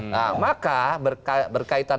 nah maka berkaitan